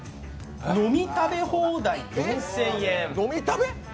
飲み食べ放題４０００円。